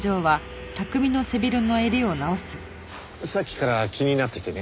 さっきから気になっててね。